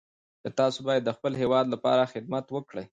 تاسو باید د خپل هیواد لپاره خدمت وکړئ.